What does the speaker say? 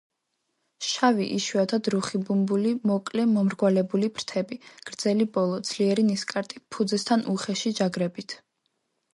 შავი, იშვიათად რუხი ბუმბული, მოკლე, მომრგვალებული ფრთები, გრძელი ბოლო, ძლიერი ნისკარტი ფუძესთან უხეში „ჯაგრებით“.